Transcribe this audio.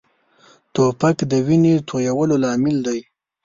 توپک د وینې تویېدو لامل دی.